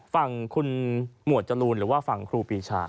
ฝั่งคุณหมวดจรูนหรือว่าฝั่งครูปีชา